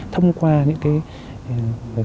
thông qua những cái